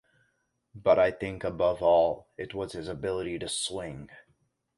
But I think above all it was his ability to swing.